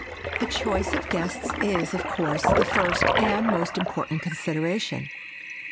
The choice of guests is, of course, the first and most important consideration.